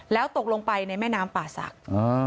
แล้วตกลงไปในแม่น้ำป่าศักดิ์